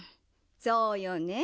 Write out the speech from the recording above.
そうよね